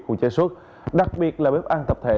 khu chế xuất đặc biệt là bếp ăn tập thể